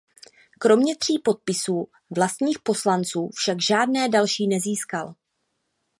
Kromě tří podpisů vlastních poslanců však žádné další nezískal.